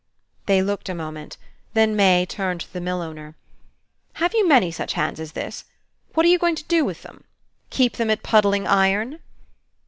They looked a moment; then May turned to the mill owner: "Have you many such hands as this? What are you going to do with them? Keep them at puddling iron?"